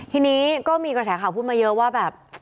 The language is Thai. ทีนี้ก็มีกระแสข่าวพูดมาเยอะว่าแบบ